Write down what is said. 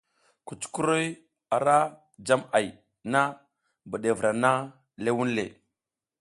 Kucukuroy ma jam ay na, mbiɗevra naƞʼha ləh wunle.